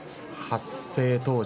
発生当時。